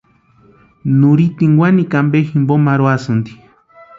Nurhiteni wanikwa ampe jimpo marhuasïnti.